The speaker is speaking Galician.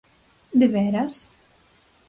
_¿De veras?